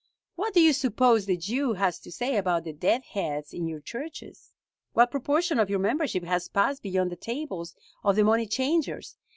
What do you suppose the Jew has to say about the dead heads in your Churches? What proportion of your membership has passed beyond the tables of the money changers?